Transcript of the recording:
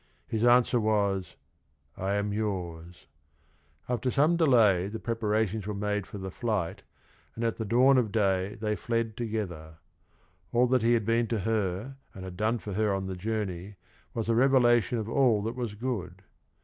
His answer was, "I am yours." Aft er some delay the prep aratio ns were made for the flight and at th e dawn_o f day they fled together. All that he had been to her and had done for her on the journey was a revelation of all that was good.